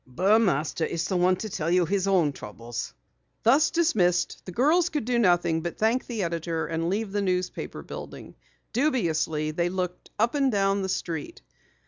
Burmaster is the one to tell you his own troubles." Thus dismissed, the girls could do nothing but thank the editor and leave the newspaper building. Dubiously they looked up and down the street.